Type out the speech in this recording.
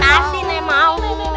pasti nen mau